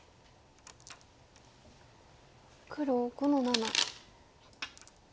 黒５の七。